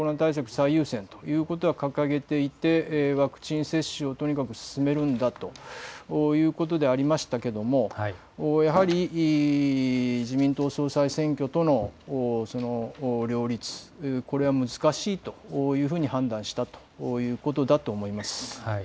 最優先ということは掲げていて、ワクチン接種をとにかく進めるんだということでありましたけれどもやはり自民党総裁選挙との両立、これは難しいというふうに判断したということだと思います。